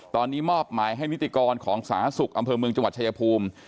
ตอนนี้มอบหมายให้นิติกรของสาธารณสุขอำเภอเมืองจังหวัดชายภูมิ